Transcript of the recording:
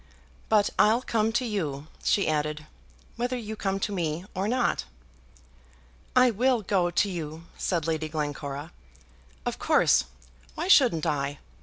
"But I'll come to you," she added, "whether you come to me or not." "I will go to you," said Lady Glencora, "of course, why shouldn't I?